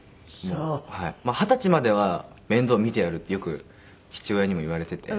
「二十歳までは面倒見てやる」ってよく父親にも言われてて。